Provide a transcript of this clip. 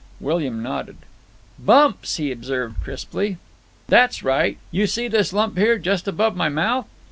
William nodded. "Bumps," he observed crisply. "That's right. You see this lump here, just above my mouth?